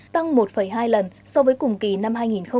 tăng một hai lần so với cùng kỳ năm hai nghìn hai mươi hai